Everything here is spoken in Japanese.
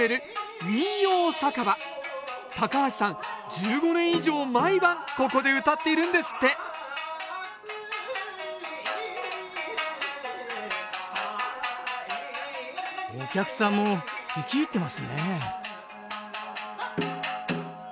１５年以上毎晩ここでうたっているんですってお客さんも聴き入ってますね